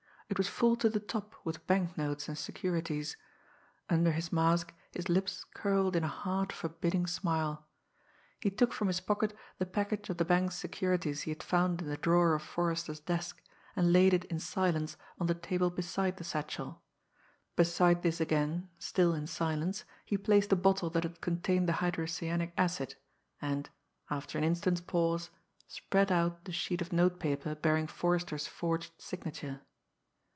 It was full to the top with banknotes and securities. Under his mask his lips curled in a hard, forbidding smile. He took from his pocket the package of the bank's securities he had found in the drawer of Forrester's desk, and laid it in silence on the table beside the satchel; beside this again, still in silence, he placed the bottle that had contained the hydrocyanic acid, and after an instant's pause spread out the sheet of note paper bearing Forrester's forged signature.